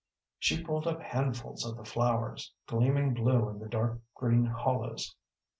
She pulled up handfuls of the flowers, gleaming blue in the dark green hollows.